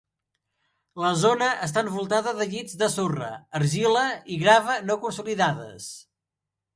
La zona està envoltada de llits de sorra, argila i grava no consolidades.